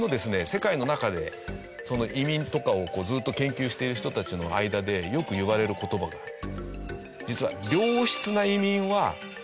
世界の中で移民とかをずっと研究している人たちの間でよく言われる言葉がある。